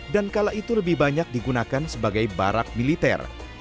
dan kala itu lebih banyak digunakan sebagai barak militer